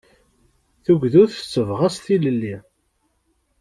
Tugdut tessebɣas tilelli.